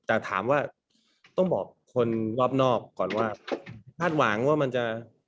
แต่ถามว่าต้องบอกคนรอบนอกก่อนว่าคาดหวังว่ามันจะ